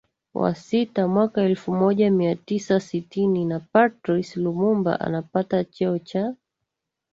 wa sita mwaka elfu moja mia tisa sitini na Patrice Lumumba anapata cheo cha